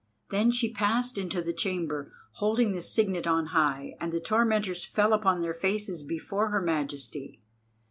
Then she passed into the chamber, holding the signet on high, and the tormentors fell upon their faces before her majesty.